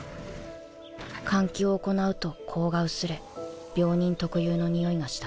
換気を行うと香が薄れ病人特有のにおいがした